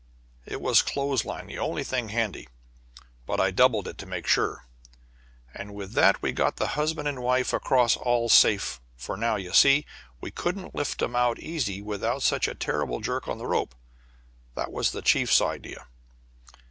It was clothes line, the only thing handy, but I doubled it to make sure. And with that we got the husband and wife across all safe, for now, you see, we could lift 'em out easy, without such a terrible jerk on the rope. That was the chief's idea."